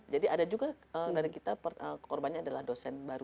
jadi ada juga dari kita korbannya adalah dosen baru